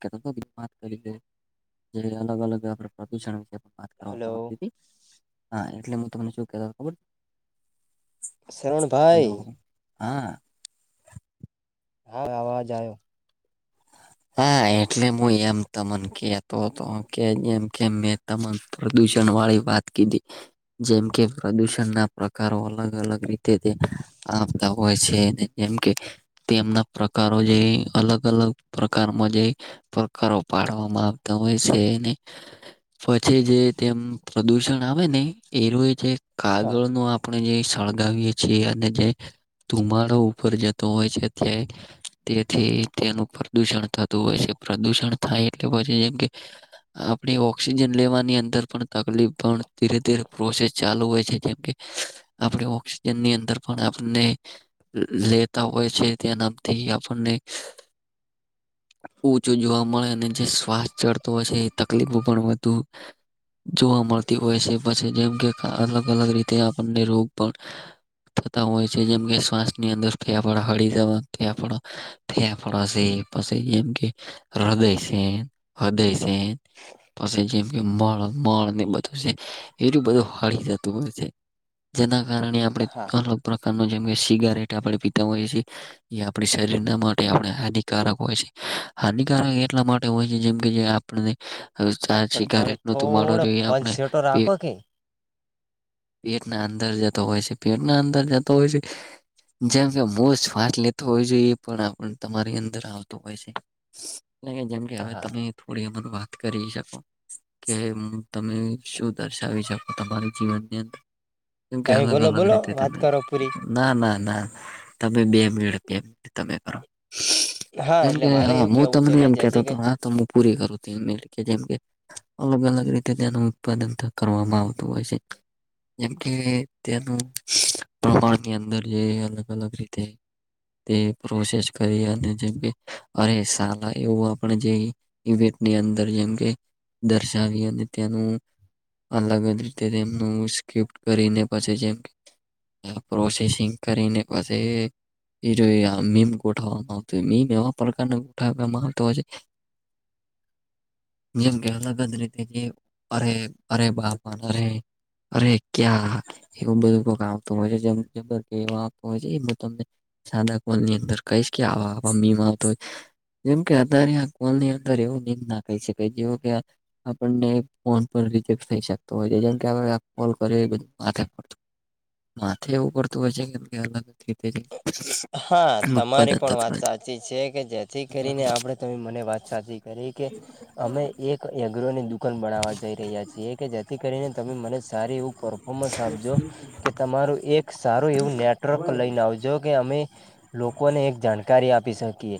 કે તો બમત કરે જે અલગ અલગ પ્રદુષણ વિશે પણ વાત હલો કરવામાં આવતી હતી હા એટલે હું તમને શું કે ખબર શરણભાઈ હલો હા હા આવાજ આવ્યો હા એટલે હું એમ તમને કતો હતો કે એમ કેમ મેં ત પ્રદૂષણ વાળી વાત કીધી જેમ કે પ્રદુષણ ના પ્રકારો અલગ અલગ રીતે તે આવતા હોય છે જેમ કે તેમના પ્રકારો જે અલગ અલગ પ્રકારમાં જે પ્રકારો પાડવામાં આવતા હોય છે એને પછી જે તેમ પ્રદુષણ આવે ને એનું એ જે હા કાગળ ન આપ આપણે જે સળગાવીએ છીએ અને જે ધુમાડો ઉપર જતો હોય છે ત તેથી તેનું પ્રદુષણ થતું હોય છે પ્રદુષણ થાય એટલે પછી જેમ કે આપણે ઓક્સિજન લેવાની અંદર પણ તકલીફ પણ ધીરે ધીરે પ્રોસેસ ચાલુ હોય છે જે આપણે ઓક્સિજન ની અંદર પણ આપને લેતા હોય છે તે્યાં નામથી આપણને ચું જોવા મળે અને જે શ્વાસ ચડતો હોય છે એ તકલીફો પણ વધુ જોવા મળતી હોય છે પછી જેમ કે અલગ અલગ રીતે આપણને રોગ પણ થતા હોય છે જેમ કે શ્વાસ ની અંદર ક હળદવા ક થયા પશે પછી જેમ કે હ્રદય સ હદય છે પાસે જેમ કે મળ ને બધું છે એટલું બધું હળ જતું હોય છે જેના કારણે હા આપણે પ્રકારનો જેમ કે સિગારેટ આપણે પીતા હોઈએ છીએ જે આપણી શરીર ના માટે આપણે હિક હારક હોય છે હાનિકારક એટલા માટે હોય છે જેમ કે જે આપને હવે ચા પણ તમે સિગારેટ નો તો માળો થોડોક જોઈએ ફોન આપણે સેટો રાખો કે પેટના અંદર જતો હોય છે પેટના અંદર જતો હોય છે જેમ કે મો શ્વાસ લેતો હો જોઈએ પણ આપ તમારી અંદર આવતું હોય છે એ જેમ કે હવે હા તમે થોડી એમ વાત કરી શકો કે તમે શું દર્શાવી શકો તમારી જીવનની અંદર કેમ કે તમે અલગ બોલો અલગ બોલો રીતે વાત તમે કરો પૂરી ના ના ના તમે બે મિડ બે મ તમે કરો હા જેમ એટલે કે મારે હા એવું હું કેવું છે તમને કે એમ કેતો જેથી હતો કે હા તો પૂરી કરું ત એ એટ કે જેમ કે અલગ અલગ રીતે તેનું ઉત્પાદન કરવામાં આવતું હોય છે જેમ કે તેનું પ્રમાણની અંદર જે અલગ અલગ રીતે તે પ્રોસેસ કરીે જે અરે સાલા એવું જે ઇવેન્ટ ની અંદર જેમ કે દર્શાવ નત્યાનું અલગ જ રીતે તેમનું સ્કિપ્ટ કરીને પછી જેમ કે પ્રોસેસિંગ કરીને પછી એ ર મેમ ગોઠાવાવામાં આવતો મેીમ એવા પ્રકારને ગોઠવામાં આવતો હોય છે જેમ કે અલગ રીતે જ અરે અરે બાપા અરે અરે ક્યા એવું બધું આવતું હોય છે આવતું હોય છે એ તમને સાદા કોલ ની અંદર કઈશ કે આમીમાં તો જેમ કે અતારે આ કોલ ની અંદર એવું નિંદ નાખાઈ શકાય જેવ કે આપણને ફોન પણ રેક્ટ થઈ શકતો હોય છે જેમ કે આપ કોલ કરી બધ માથે એવું પડતું હોય છે કે કે અલગ હા તમારી ઉત્પાદન પણ થતું વાત સાચી છે કે જે જે કરીને આપણે તમે મને વાત સાચી કરી કે અમે એક એગ્રોની દુકાન બનાવવા જઈ રહ્યા છીએ કે જેથી કરીને તમે મને સાર એવું મોહમદ સાહેબ જો [inaudible] તમારું એક સારું એવું નેટવર્ક લઈને આવજો. કે અમે લોકોને એક જાણકારી આપી શકીએ.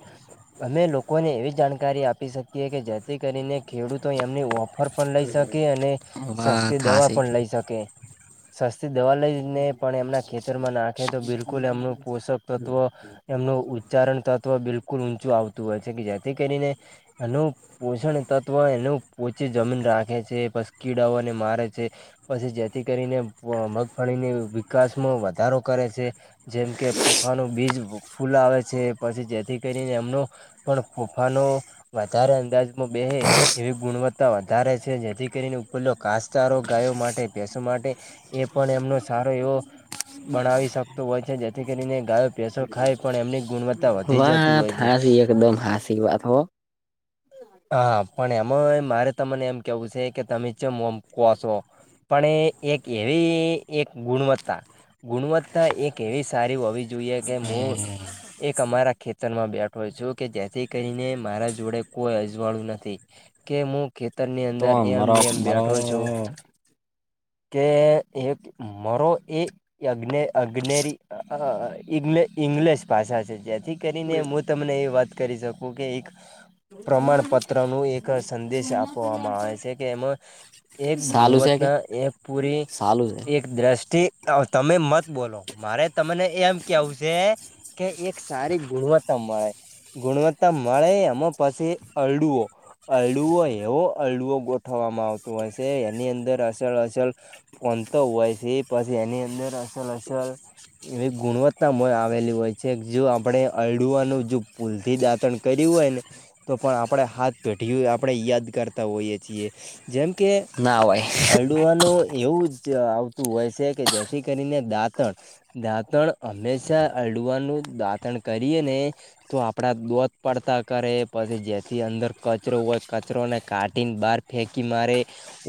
અમે લોકોને એવી જાણકારી આપી શકીએ કે જેથી કરીને ખેડૂતો એમની ઓફર પણ લઈ શકે અને નથી વાત સસ્તી દવા હાસી પણ લઈ શકે. સસ્તી દવા લઈને પણ એમના ખેતરમાં નાખે તો બિલકુલ એમનું પોષક તત્વ એમનું ઉચ્ચારણ તત્વ બિલકુલ ઊંચું આવતું હોય છે કે જેથી કરીને હલો પોષણ તત્વ એને પોચી જમીન રાખે છે પસ કીડાઓને મારે છે. પછી જેથી કરીને મગફળીની વિકાસમાં વધારો કરે છે જેમ કે ફુફાનું બીજ ફૂલાવે છે પછી જેથી કરીને એમનો પણ ફુફાનો વધારે અંદાજ બે એવી ગુણવત્તા વધારે છે જેથી કરીને કાસચારો ગાયો માટે બેસવા માટે એ પણ એમનો સારો એવો ભણાવી શકતું હોય છે જેથી કરીને ગાય જતી વા હોય છે. હાસ એકદમ હાસી વાત હો. હા પણ એમાં મારે તમને એમ કેવું છે કે તમે જેમમકો છો? પણ એક એવી એક ગુણવત્તા ગુણવત્તા એક એવી સારી હોવી જોઈએ કે હું એક અમારા ખેતરમાં બેઠો છું કે જેથી કરીને મારા જોડે કોઈ અજવાળું નથી. કે હું ખેતરની તો અંદર મારો એમનેએમ મારો બેઠો છું. કે એક મારો એ અ અગ્નેરી અ ઈ્ ઇંગ્લશ ભાષા છે જેથી કરીને તમને એ વાત કરી શકું કે એક પ્રમાણપત્ર નું એક સંદેશ આપવામાં આવે છે કે એમાં એક સાલું છે કે ગુણવત્તા એક પૂરી સાલું છે એક દ્રષ્ટિ તમે મત બોલો મારે તમને એમ કેવું છે કે એક સારી ગુણવત્તા મળે. ગુણવત્તા મળે આમાં પાસે અળડુઓ અરડુઓ એવો અરડઓ ગો ઉઠવામાં આવતું હોય છે એની અંદર અલ અસલ પનતો હોય છે પછી એની અંદર અસલ અસલ એવી ગુણવત્તામાં આવેલી હોય છે જો આપણે અરડુવાનું જો પૂલથી દાંતણ કર્યું હોય ને તો પણ આપણે હાથ પેઢી આપણે યાદ કરતા હોઈએ છીએ જેમ કે ના હોય. હલડવાનું એવું જ આવતું હોય છે કે જેથી કરીને દાંતણ દાંતણ હંમેશા અડવાનું દાંતણ કરીએ ને તો આપડા દોધ પડતા કરે પછી જેથી અંદર કચરો હોય કચરો ને કાઢને બહાર ફેંકી મારે.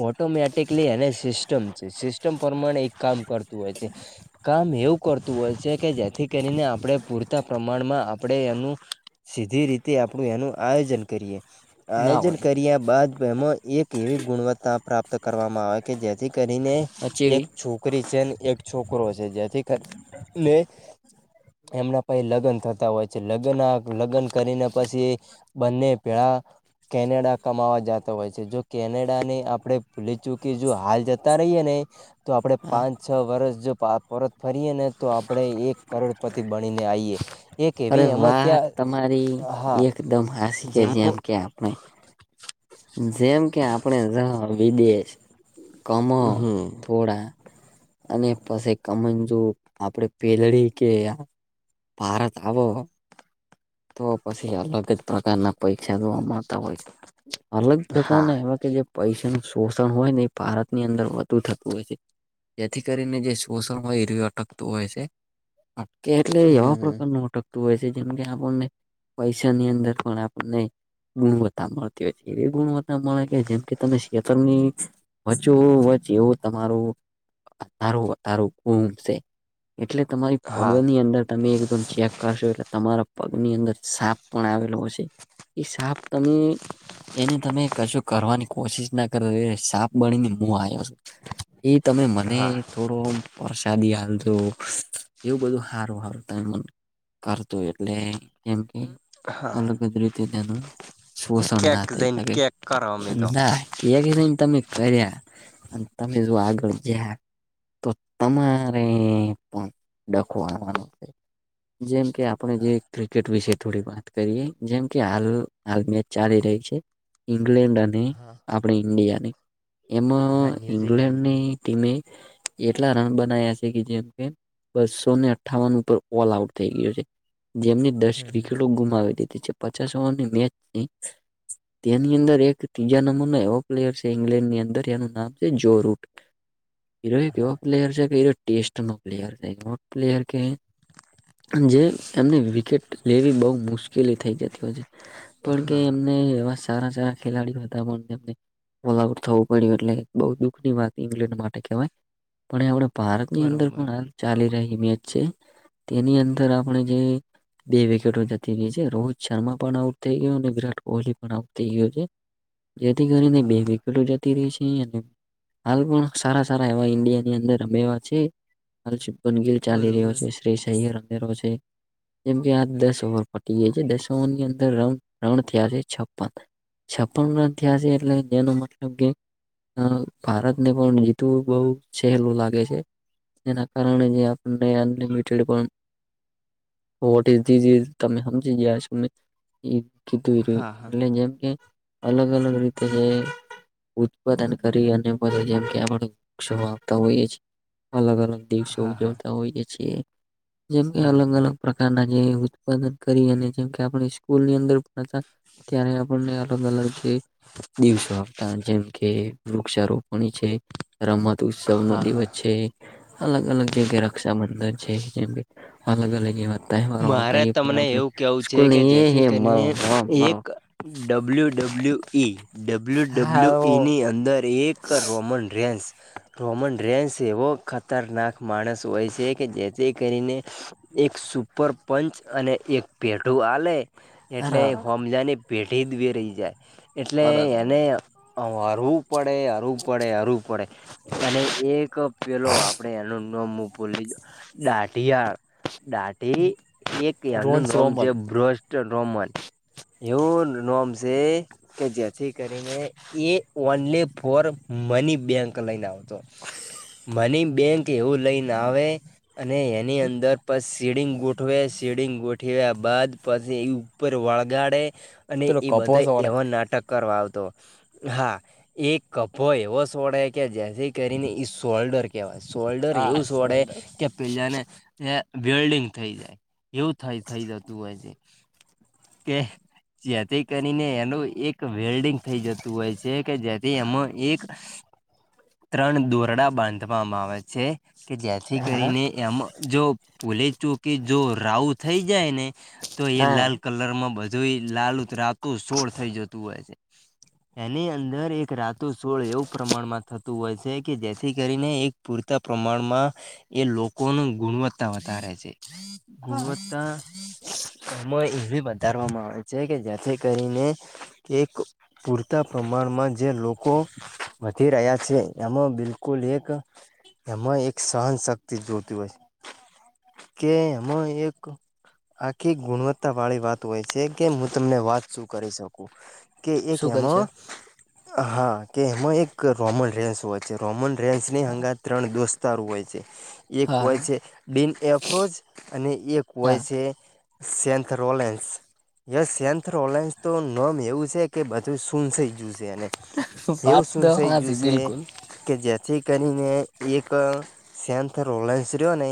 ઓટોમેટિકલી એને સિસ્ટમ છે સિસ્ટમ પ્રમાણે એક કામ કરતું હોય છે. કામ એવું કરતું હોય છે કે જેથી કરીને આપણે પૂરતા પ્રમાણમાં આપણે એનું સીધી રીતે આપણું એનું આયોજન કરીએ ના આયોજન હોય કર્યા બાદ એમાં એક એવી ગુણવત્તા પ્રાપ્ત કરવામાં આવે કે જેથી કરીને પછી એક એવી છોકરી છે ને એક છોકરો છે જેથીને એમના પસેી લગ્ન થતા હોય છે લગ્ન લગ્ન કરીને પછી બંને પેળ. કેનેડા કમાવા જતા હોય છે જો કેનેડા ને આપણે ભૂલી ચૂકી જો હાલ જતા રહીએ ને તો આપડે પાંચ છ વરષ જો પરત ફરીયએ ને તો આપણે એક કરોડપતિ બનીને આઈએ. એક અરે એવી એમાં વાત તમારી ત્યાં હા એકદમ હાસ કે જેમાં જેમ કે આપણે. જેમ કે આપણેે વિદેશ કમ. હા. થોડા અને પછી કમંજુ આપડે પેલડી કે. ભારતાવો. તો પછી અલગ જ પ્રકારના પરીક્ષા જોવા મળતા હોય છે. અલગ હા પ્રકારને એમાં કે જે. પૈસાનું શોષણ હોય ને એ ભારત ની અંદર વધુ થતું હોય છે. જેથી કરીને જે શોષણમાં હીર્ય અટકતું હોય છે. કે એટલે એવા હમ પ્રકારનું અટકતું હોય છે જેમ કે આપણને પૈસાની અંદર પણ આપણને. ગુણવત્તા મળતી હોય છે એવી ગુણવત્તા મળે કે જેમ કે તમે શેતરની. વચો વચ એવું તમારું અારું વધારું ગુમ છે. એટલે તમારી હા પગલની અંદર તમે એકદમ ચેક કરશો એટલે તમારા. પગની અંદર સાપ પણ આવેલો હ છે એ સાપ તમે. એને તમે કશો કરવાની કોશિશ ના કરો એ સાપ બનીને. હ આવ્યો છું એ તમે મને. હા થોડો વરસાદી હાલતોો એવું બધું હારું હારું ત મને. કરતું એટલે કેમ કે. અલગ જ રીતે તેનું શોષણ ના ક્યાંક થાય જઈને શકે ક્યાંક કરો અમે તો ના. એકને તમે કર્યા અને તમે જો આગળ જયા. તો તમારે પણ ડખવાવાનું છે જેમ. કે આપણે જે ક્રિકેટ વિશે થોડી વાત કરીએ જેમ કે હાલ હાલ મેચ ચાલી રહી છે. ઇંગ્લેન્ડ અને હા આપણે ઇન્ડિયાની હા એમાં ન્યુઝીલેન્ડને ઇંગ્લેન્ડની. ટીમે એટલા રન બના્યા છે કે જેમ કે. બસોને અઠ્ઠાવન ઉપર ઓલ આઉટ થઈ ગયયો છે. જેમને દસ હા વ્રિકેટો ગુમાવી હતી પચાસ ઓવરની મેચની. તેની અંદર એક ત્રીજા નંબર ન એવો પ્લેયર છે ઇંગ્લેન્ડની અંદર જેનું નામ છે જો રૂટ. હીરો એક એવો પ્લેયર છે કે હરો ટેસ્ટ. પ્લેર છે પ્લેયર કે જે. એમને વિકેટ લેવી બહુ મુશ્કેલી થઈ જતી હોય છે. પણ કે હા એમને એવા સારા સારા ખેલાડીઓ હતા પણને. ઓલ આઉટ થવું પડ્યું એટલે બહુ દુઃખ ની વાત ઇંગ્લેન્ડ માટે કહેવાય. પણ આપણા ભારતની અંદર બરોબર પણ ચાલી રહી મેચ છે તેની અંદર. મણે જે. બે વિકેટો જતી રહી છે રોહિત શર્મા પણ આઉટ થઈ ગયયો અને વિરાટ કોહલી પણ આઉટ થઈ ગયયો છે. જેથી કરીને હા બે હા વિકેટો. ર છે અને હાલ પણ સારા સારા એવા ઈન્ડિયા ની અંદર રમે્યા છે. હાલનગીલ ચાલી રહ્યો બરોબર છે શ્રી સહી અંધેરો છે. જેમ કે આ દસ ઓવર પટી જાય છે દસ ઓવરની અંદર રાઉન્ થયા છે છપન. છપન ન્યાાસ એટલે જેનો મતલબ કે. અ ભારતને પણ જીતવું બઉ સહેલું લાગે છે. એ અ કારરાજ આપને અનલીિમિટેડ પણ. વટ દીધી તમે સમજી ગયા છો ને. કીધું હા હા એટલે જેમ કે અલગ અલગ રીતે જે. ઉત્પાદન કરી અને [unintelligible] અલગ અલગ દિવસ હા હા ઉજવતા હોય છે એ અલગ બરોબર અલગ પ્રકારના જે ઉત્પાદન કરી અને જેમ કે આપણે સ્કૂલની અંદર અ ત્યારે આપણને અલગ અલગ જે દિવસો આપતા જેમ કે વૃક્ષારોપણી છે રમત ઉત્સવ નો હા હા દિવસ છે અલગ અલગ જગ્યા રક્ષાબંધન છે, જેમ કે અલગ અલગ એવા તહેવારો મારે આવતા એ પણ તમને આપ એવું કેવું છે સ્કૂલ કે ની જેથી એ કરીને એક [unintelligible] ડબલ્યુ ડબલ્યુ ઈ ડબલ્યુ હા ડબલ્યુ ઓ ઈ ની અંદર એ કર રોમન રેન્સ રોમન રેન્સ એવો ખતરનાક માણસ હોય છે, કે જેથી કરીને એક સુપર પંચ અને એક પેઢું આલે એટલે અરે હોમજાને પેઢી દવે રહી જાય એટલે અરે એને હરવું પડે હરવું પડે હરવું પડે અને એ કપેલો આપડે એનું [unintelligible] દાઢિયા દા ઢી કે કે નું રોન નામ છે, રોમલ બ્રસ્ટ રોમન એવું નમ છે. કે જેથી કરીને એ ઓનલી ફોર મની બેંક લઈને આ મની બેંક એવું લઈને આવે અને એની અંદર પછ ઝીડિંગ ગોઠવે સીડીંગ ગોઠવ્યા બાદ પછી એ ઉપર વળગાડે અને પેલો એ કપો બધા સોડે એવા નાટક કરવા આવતો હા એક કભો એવો સોડે કે જે થી કરીને એ શોલ્ડર કહેવાય શોલ્ડર હા એવું સોડે સોલ્ડર કે પેલાને એ વેલ્ડિંગ થઈ જાય એવું થય થઈ જતું હોય છે. કે જેથી કરીને એનું એક વેલ્ડિંગ થઈ જ તું હોય છે, કે જેથી એમાં એક ત્રણ દોરડા બાંધવામાં આવે છે, કે જેથી હા કરીને એમ જો પૂલે ચો કે જો રાઉ થઈ જાય ને તો એ હા લાલ કલ રમાં બધુંય લાલુ રાતું સોળ થઈ જતું હોય છે. એની અંદર એક રાતો સોળ એવું પ્રમાણમાં થ તુ હોય છે, કે જેથી કરીને એક પૂરતા પ્રમાણમાં એ લોકો ગુણવત્તા ધારે છે, ગુણવત્તા એમાં એવી વધારવામાં આવે છે, કે જેથી કરીને એક પૂરતા પ્રમાણમાં જે લોકો વધી રહ્યા છે, એમાં બિલકુલ એક એમાં એક સહનશક્તિ જોતી હોય કે એમાં એક આખી ગુણવત્તા વાળી વાત હોય છે, કે હું તમને વાત શું કરી શકું કે એક શું કરી શકો એમાં હા કે એમાં એક રોમન રેન્સ હોય છે, રોમન ર્રેન્સની હગાથ ત્રણ દોસ્તારું હોય છે, એક હા હોય છે બિ એફ્રજ અને એક હોય હા છે, સેથ રોલેન્સ યસ સેન્થર ઓલાઇન્સ તો નોમ એવું છે, કે બધું શૂન થઈ ગયુ છે, એને એવુ વાત સું તો થય ગયુ હાચી સે બિલકુલ કે જેથી કરીને એક સેથ રોલેન્સ રહ્યો ને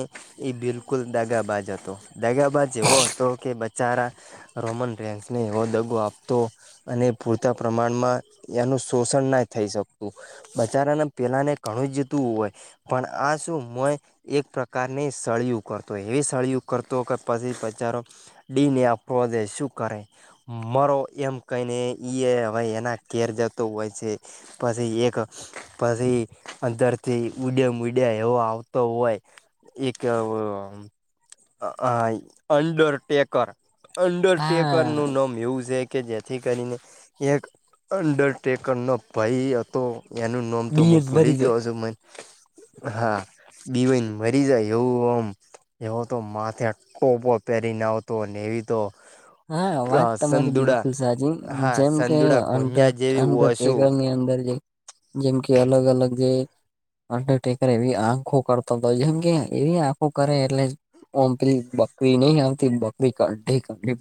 એ બિલકુલ દગાબાજ હતો દગાબાજ એવો હતો કે બચારા રોમન રેન્સને એવો દગો આપતો અને પૂરતા પ્રમાણમાં એનું શોષણ ના થઈ શકતું બચારાને પેલાને ઘણું જતું હોય પણ આ શું મય એક પ્રકારની સળયું કરતોય એવી સળીયું કરતો કે પછી બચારો ડીને આ પ્રોઝે શું કરે મારો એમ કઈ ને ઈ હવે એના કેર જતો હોય છે. પછી એક પછી અંદરથી ઉડે મડે એવો આવતો હોય કે અંડરટેકર અંડરટેકર હા નું નમ એવું છે. કે જેથી કરીને એક અંડરટેકર નો ભાઈ હતો એનું નોમ મુ ડીએસ ભરી ભૂલી દો [unintelligible] હા બીવીગ મરી જાય એવું ઓમ એવો તો માથે કોપો પહેરીને આવતો નેવી તો હા વાત તમારી સંદુડા બિલકુલ સાચી હા જેમ કે સંદુડા અડ કોન્યા જેવી ઓશું અડરટેકરની અંદર જે જેમ કે અલગ અલગ જે અંડરટેકર એવી આંખો કરતો હોય જેમ કે એવી આંખો કરે એટલે ઓમ પે બકરી નહી આવતી બકરી કાઢી કઢ